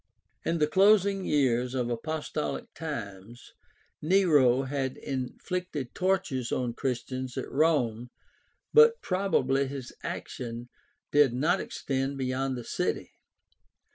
In the closing years of apostolic times (64 a.d.) Nero had infficted tortures on Christians at Rome, but probably his action did not extend beyond the city.